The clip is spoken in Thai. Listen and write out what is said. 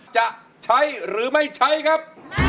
จะใช้หรือไม่ใช้ครับ